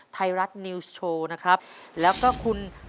ไทยรัฐนิวส์โชว์นะครับแล้วก็คุณ